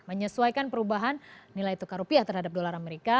menyesuaikan perubahan nilai tukar rupiah terhadap dolar amerika